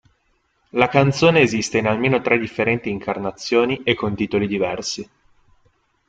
La canzone esiste in almeno tre differenti incarnazioni e con titoli diversi.